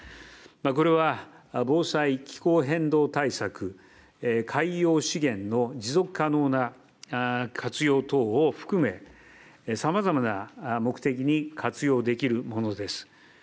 これは、防災、気候変動対策、海洋資源の持続可能な活用等を含め、さまざまな目的に活用できるものです。